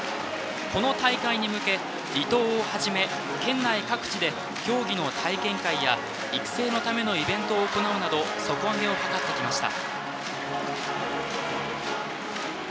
この大会に向け、離島をはじめ県内各地で競技の体験会や育成のためのイベントを行うなど底上げを図ってきました。